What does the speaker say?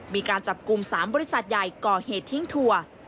มีการจับกลุ่ม๓บริษัทใหญ่ก่อเหตุทิ้งทัวร์